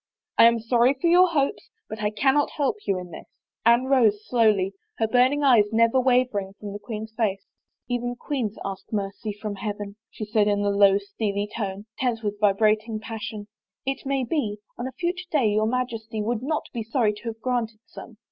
I am sorry for your hopes but I cannot help you in this." Anne rose slowly, her burning eyes never wavering from the queen's face. 9 THE FAVOR OF KINGS " Even queens ask mercy from Heaven," she said in a low, steely tone, tense with vibrating passion. It may be, on a future day your Majesty would not be sorry to have granted some."